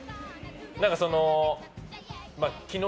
何かそのう。